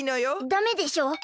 ダメでしょ。